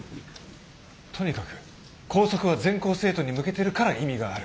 とにかく校則は全校生徒に向けてるから意味がある。